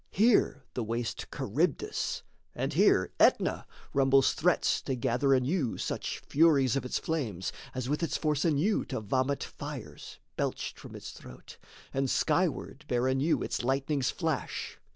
Here the waste Charybdis; and here Aetna rumbles threats To gather anew such furies of its flames As with its force anew to vomit fires, Belched from its throat, and skyward bear anew Its lightnings' flash.